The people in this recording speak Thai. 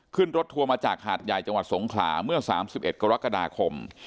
ขึ้นรถทัวร์มาจากหาดใหญ่จังหวัดสงขลาเมื่อ๓๑กรกฎาคม